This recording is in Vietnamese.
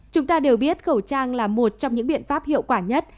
chúng ta đều biết khẩu trang là một trong những biện pháp hiệu quả nhất